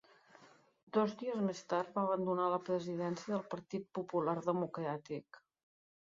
Dos dies més tard va abandonar la presidència del Partit Popular Democràtic.